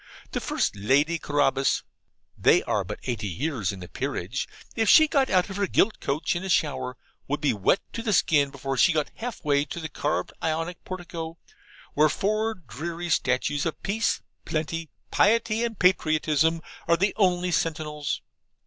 The first Lady Carabas (they are but eighty years in the peerage), if she got out of her gilt coach in a shower, would be wet to the skin before she got half way to the carved Ionic portico, where four dreary statues of Peace, Plenty, Piety and Patriotism, are the only sentinels.